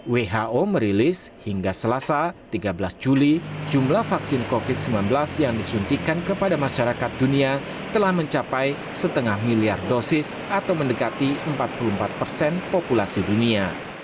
who merilis hingga selasa tiga belas juli jumlah vaksin covid sembilan belas yang disuntikan kepada masyarakat dunia telah mencapai setengah miliar dosis atau mendekati empat puluh empat persen populasi dunia